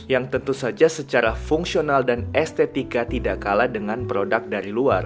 yang tentu saja secara fungsional dan estetika tidak kalah dengan produk dari luar